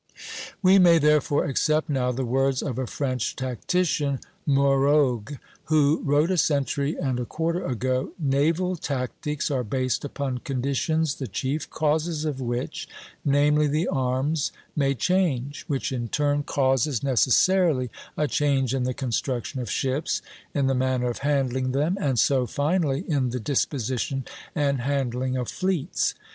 We may therefore accept now the words of a French tactician, Morogues, who wrote a century and a quarter ago: "Naval tactics are based upon conditions the chief causes of which, namely the arms, may change; which in turn causes necessarily a change in the construction of ships, in the manner of handling them, and so finally in the disposition and handling of fleets."